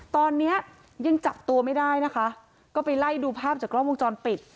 ตอนนี้ยังจับตัวไม่ได้นะคะก็ไปไล่ดูภาพจากกล้องวงจรปิด